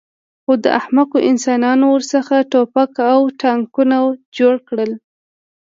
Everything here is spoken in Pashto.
خو احمقو انسانانو ورڅخه ټوپک او ټانکونه جوړ کړل